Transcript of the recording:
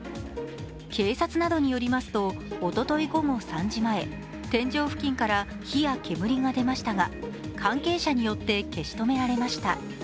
警察などによりますと、おととい午後３時前、天井付近から火や煙が出ましたが、関係者によって消し止められました。